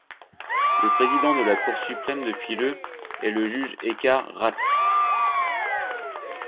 Le président de la Cour suprême depuis le est le juge Eckart Ratz.